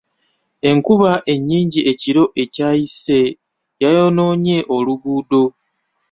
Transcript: Enkuba ennyingi ekiro ekyayise yayonoonye oluguudo.